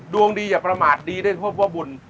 ดวงดีอย่าประมาทดีได้พบว่าบุญ